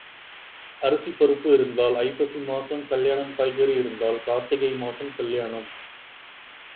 அரிசி பருப்பு இருந்தால் ஐப்பசி மாசம் கல்யாணம் காய்கறி இருந்தால் கார்த்திகை மாசம் கல்யாணம்.